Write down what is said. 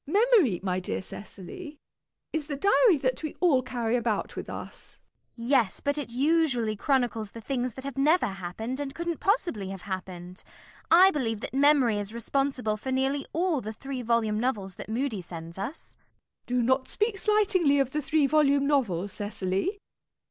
Memory, my dear Cecily, is the diary that we all carry about with us. CECILY. Yes, but it usually chronicles the things that have never happened, and couldn't possibly have happened. I believe that Memory is responsible for nearly all the three volume novels that Mudie sends us. MISS PRISM. Do not speak slightingly of the three volume novel, Cecily.